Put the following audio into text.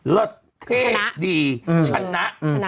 รถเท่ดีชนะ